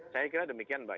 saya kira demikian mbak